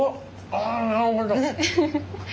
あなるほど。